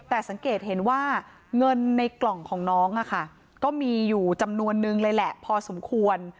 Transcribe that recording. แต่สังเกตเห็นว่าเงินในกล่องของน้องก็มีอยู่จำนวนนึงเลยแหละพอสมควร